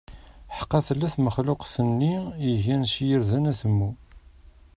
Ḥeqqa tella tmexluqt-nni igan s yirden atemmu.